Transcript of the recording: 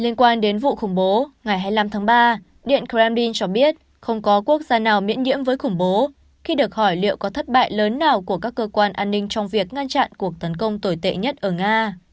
liên quan đến vụ khủng bố ngày hai mươi năm tháng ba điện kremlin cho biết không có quốc gia nào miễn nhiễm với khủng bố khi được hỏi liệu có thất bại lớn nào của các cơ quan an ninh trong việc ngăn chặn cuộc tấn công tồi tệ nhất ở nga